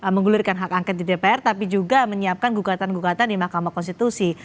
menggulirkan hak angket di dpr tapi juga menyiapkan gugatan gugatan di mahkamah konstitusi